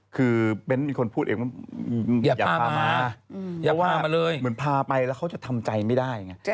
คือเบนส์มีคนพูดเองว่าอย่าพามาเหมือนพาไปแล้วเขาจะทำใจไม่ได้